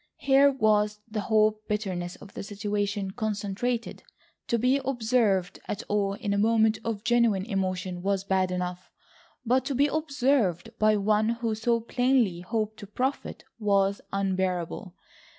Here was the whole bitterness of the situation concentrated. To be observed at all in a moment of genuine emotion was bad enough, but to be observed by one who so plainly hoped to profit, was unbearable.